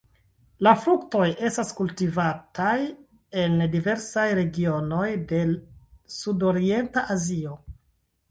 La fruktoj estas kultivataj en diversaj regionoj de sudorienta Azio.